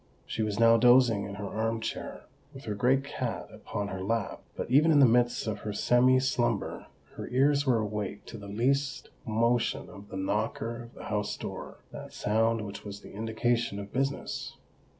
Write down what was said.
She was now dozing in her arm chair, with her great cat upon her lap; but even in the midst of her semi slumber, her ears were awake to the least motion of the knocker of the house door—that sound which was the indication of business!